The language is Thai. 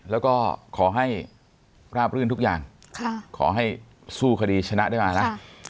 แล้วก็ขอให้ราบรื่นทุกอย่างขอให้สู้คดีชนะได้มานะ